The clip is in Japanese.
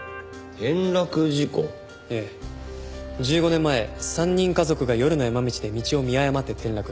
１５年前３人家族が夜の山道で道を見誤って転落。